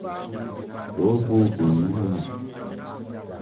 Dɔɔ bɔɔ biŋni nono.